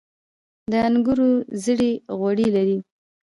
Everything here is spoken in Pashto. د انګورو زړې غوړي لري.